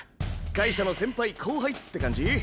会社の先輩後輩って感じ？